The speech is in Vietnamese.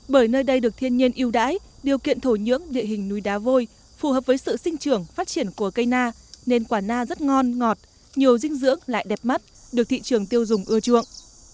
bởi nơi đây được thiên nhiên yêu đáy điều kiện thổ nhưỡng địa hình núi đá vôi phù hợp với sự sinh trưởng phát triển của cây na nên quả na rất ngon ngọt nhiều dinh dưỡng lại đẹp mắt được thị trường tiêu dùng ưa chuộng